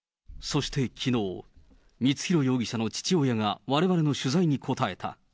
そしてきのう、光弘容疑者の父親がわれわれの取材に答えた。